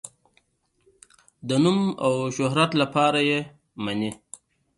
د نوم او شهرت لپاره یې مني.